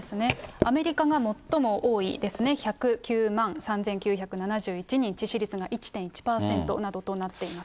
アメリカが最も多いですね、１０９万３９７１人、致死率が１．１％などとなっています。